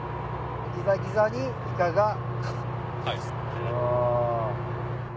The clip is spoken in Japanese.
ギザギザにイカがガブって。